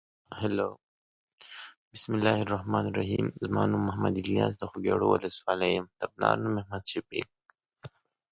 They had a strict egalitarian society practising land reform and communal food distribution.